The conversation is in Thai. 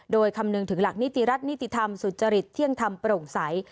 โดยคำนึงถึงหลักนิติรัฐนิติธรรมสุจริตเที่ยงธรรมโปร่งใส